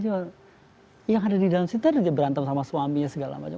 cuma yang ada di dalam situ ada dia berantem sama suaminya segala macam